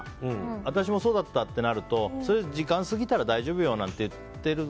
私もそうだったってなるとそれは時間が過ぎたら大丈夫よなんて言って。